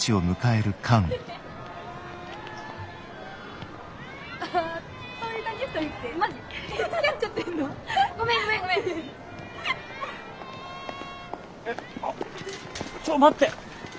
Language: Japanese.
えあっちょっと待って！